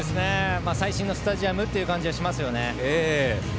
最新のスタジアムという感じがしますよね。